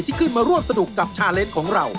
ที่ขึ้นมาร่วมสนุกกับชาเลสของเรา